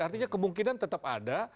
artinya kemungkinan tetap ada